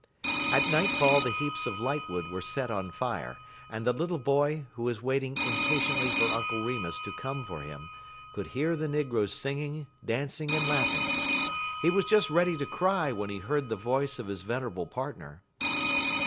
At nightfall the heaps of lightwood were set on fire, and the little boy, who was waiting impatiently for Uncle Remus to come for him, could hear the negroes singing, dancing, and laughing. He was just ready to cry when he heard the voice of his venerable partner.